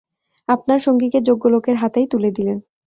আপনার সঙ্গীকে যোগ্য লোকের হাতেই তুলে দিলেন।